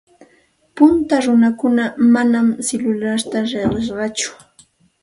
Punta runakuna manam silularta riqipaakurqatsu.